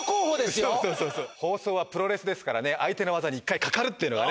放送はプロレスですからね相手の技に１回かかるっていうのがね